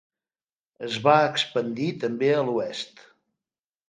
Es va expandir també a l'oest.